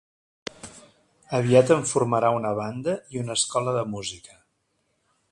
Aviat en formarà una banda i una escola de música.